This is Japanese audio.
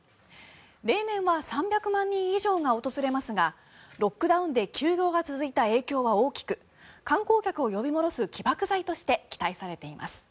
例年は３００万人以上が訪れますがロックダウンで休業が続いた影響は大きく観光客を呼び戻す起爆剤として期待されています。